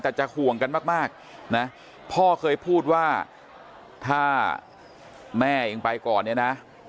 แต่จะห่วงกันมากนะพ่อเคยพูดว่าถ้าแม่เองไปก่อนเนี่ยนะ